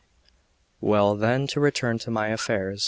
XXVIII WELL, then, to return to my affairs.